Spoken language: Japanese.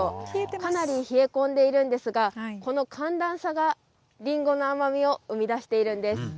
かなり冷え込んでいるんですが、この寒暖差がりんごの甘みを生み出しているんです。